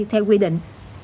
theo quy định